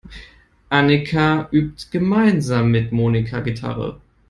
Annika übt gemeinsam mit Monika Gitarre.